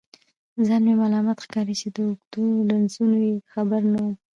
ځان مې ملامت ښکاري چې د اوږدو رنځونو یې خبر نه وم.